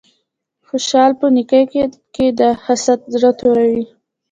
خوشحالی په نیکې کی ده حسد زړه توروی